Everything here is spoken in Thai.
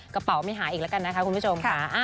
กระเป๋าไม่หายอีกแล้วกันนะคะคุณผู้ชมค่ะ